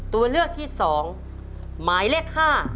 ตัวเลือกที่๒หมายเลข๕